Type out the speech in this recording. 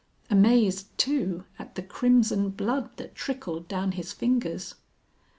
Amazed, too, at the crimson blood that trickled down his fingers.